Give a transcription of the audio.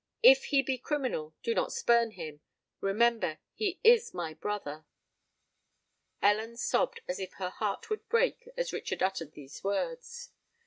If he be criminal, do not spurn him:—remember, he is my brother!" Ellen sobbed as if her heart would break as Richard uttered these words.